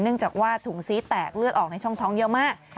จากว่าถุงซี้แตกเลือดออกในช่องท้องเยอะมาก